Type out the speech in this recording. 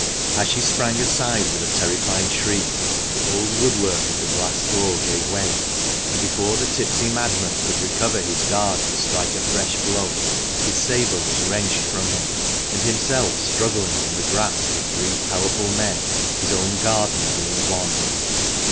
As she sprang aside with a terrified shriek, the old woodwork of the glass door gave way, and before the tipsy madman could recover his guard to strike a fresh blow, his sabre was wrenched from him, and himself struggling in the grasp of three powerful men, his own gardener being one.